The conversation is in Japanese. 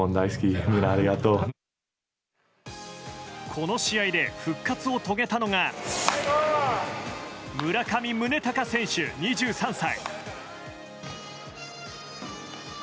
この試合で復活を遂げたのが村上宗隆選手、２３歳。